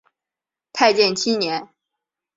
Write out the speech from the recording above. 太建七年。